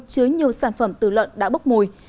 chứa nhiều sản phẩm từ lợn đã bốc mùi